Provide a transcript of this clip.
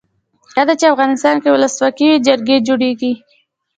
کله چې افغانستان کې ولسواکي وي جرګې جوړیږي.